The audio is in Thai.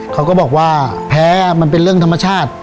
เขาก็บอกว่าแพ้มันเป็นเรื่องธรรมชาติ